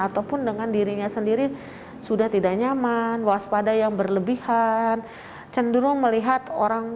ataupun dengan dirinya sendiri sudah tidak nyaman waspada yang berlebihan cenderung melihat orang